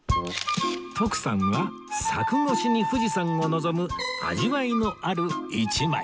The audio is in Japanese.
徳さんは柵越しに富士山を望む味わいのある一枚